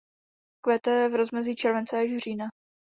Kvete v rozmezí července až října.